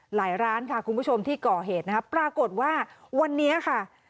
ร้านค่ะคุณผู้ชมที่ก่อเหตุนะครับปรากฏว่าวันนี้ค่ะ